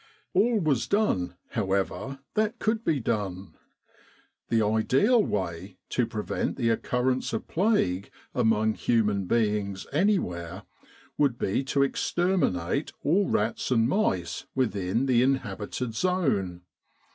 All was done, however, that could be done. The ideal way to prevent the occurrence of plague among human beings anywhere would be to exterminate all rats and mice within the inhabited zone.